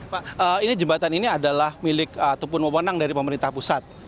pak jembatan ini adalah milik tepun moponang dari pemerintah pusat